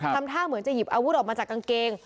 ทำท่าเหมือนจะหยิบอาวุธออกมาจากกางเกง